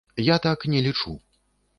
Я так не лічу.